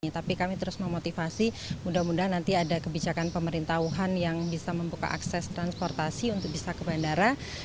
tapi kami terus memotivasi mudah mudahan nanti ada kebijakan pemerintah wuhan yang bisa membuka akses transportasi untuk bisa ke bandara